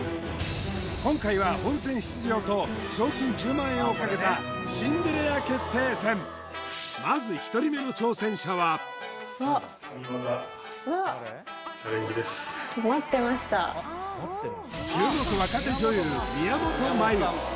今回は本戦出場と賞金１０万円をかけたシンデレラ決定戦まず１人目の挑戦者は注目若手女優宮本茉由